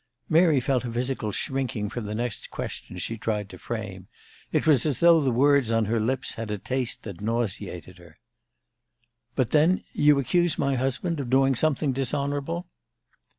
Mary felt a physical shrinking from the next question she tried to frame; it was as though the words on her lips had a taste that nauseated her. "But then you accuse my husband of doing something dishonorable?"